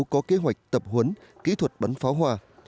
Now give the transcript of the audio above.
có kế hoạch tập huấn kỹ thuật bắn pháo hoa